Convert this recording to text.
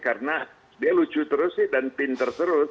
karena dia lucu terus sih dan pinter terus